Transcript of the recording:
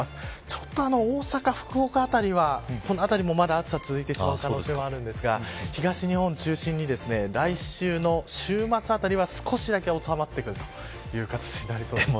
ちょっと大阪、福岡辺りは暑さが続いてしまう可能性があるんですが東日本を中心に来週の週末あたりは少しだけ収まってくるという形になりそうです。